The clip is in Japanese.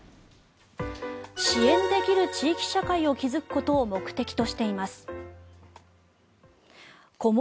支援できる地域社会を作ることを目的としています。